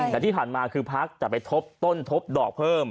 แต่ที่ผ่านมาคือพักจะไปทบต้นทบดอกเพิ่ม